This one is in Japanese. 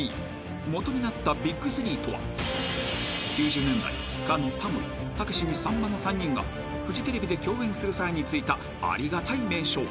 ［もとになったＢＩＧ３とは９０年代かのタモリたけしにさんまの３人がフジテレビで共演する際に付いたありがたい名称］